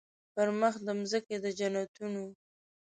پر مخ د مځکي د جنتونو